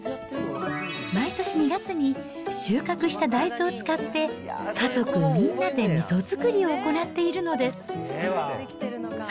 毎年２月に収穫した大豆を使って、家族みんなでみそ作りを行っているのです。